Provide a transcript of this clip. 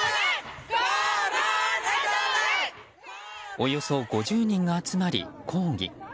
およそ５０人が集まり、抗議。